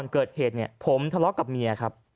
เกิดเหตุเนี่ยผมทะเลาะกับเมียครับ